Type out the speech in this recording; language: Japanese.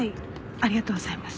ありがとうございます。